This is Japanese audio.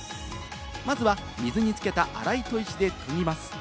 まずは水につけた荒い砥石で研ぎます。